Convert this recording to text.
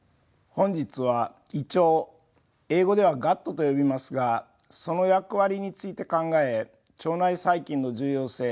本日は胃腸英語ではガットと呼びますがその役割について考え腸内細菌の重要性